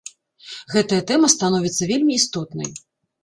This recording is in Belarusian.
Гэтая тэма становіцца вельмі істотнай.